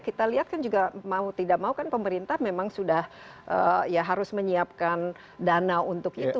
kita lihat kan juga mau tidak mau kan pemerintah memang sudah ya harus menyiapkan dana untuk itu